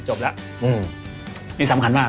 จบแล้วอืมมีสำคัญมาก